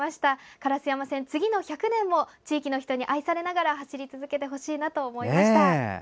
烏山線次の１００年も地域の皆さんに愛されながら走り続けてほしいと思いました。